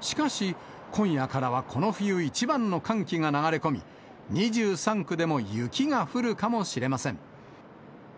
しかし、今夜からはこの冬一番の寒気が流れ込み、２３区でも雪が降るかもしれません。